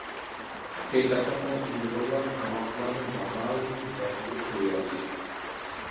ھەقىقەتەنمۇ ئۇيغۇرلار تاماقلارنى ناھايىتىمۇ مەززىلىك تەييارلىشىدۇ.